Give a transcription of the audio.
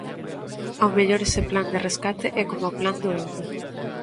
Ao mellor ese plan de rescate é coma o plan do Eume.